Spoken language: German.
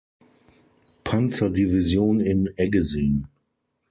Panzerdivision in Eggesin.